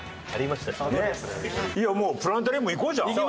いやもうプラネタリウムいこうじゃあ。